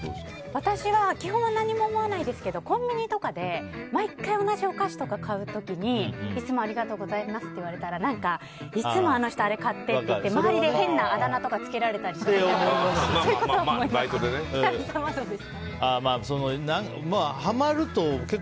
私は基本は何も思わないですけどコンビニとかで毎回同じお菓子とか買う時にいつもありがとうございますって言われたら何かいつもあの人買ってって言われて変なあだ名付けられたりとかっていうのは思います。